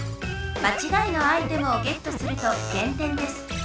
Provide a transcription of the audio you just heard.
まちがいのアイテムをゲットするとげん点です。